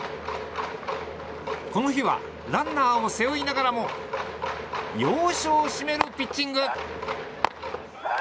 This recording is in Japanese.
この日はランナーを背負いながらも要所を締めるピッチング。